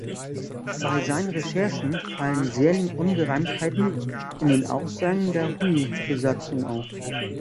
Bei seinen Recherchen fallen Serling Ungereimtheiten in den Aussagen der Huey-Besatzung auf.